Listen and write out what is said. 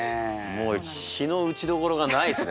もう非の打ちどころがないっすね